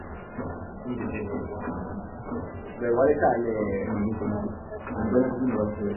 Poltsan sartu du amak eman dion ogitartekoa.